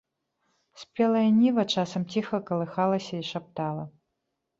Спелая ніва часам ціха калыхалася і шаптала.